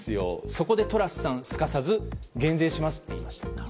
そこで、トラスさんはすかさず減税しますと言いました。